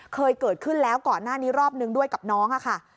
เคยเกิดขึ้นแล้วก่อนหน้านี้รอบนึงด้วยกับน้องค่ะ